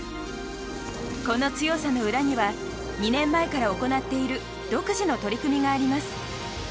この強さの裏には２年前から行っている独自の取り組みがあります。